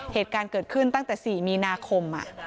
เหตุการณ์เกิดขึ้นตั้งแต่๔มีนาคม